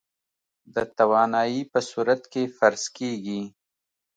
د توانايي په صورت کې فرض کېږي.